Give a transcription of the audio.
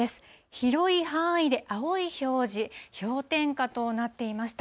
広い範囲で青い表示、氷点下となっていました。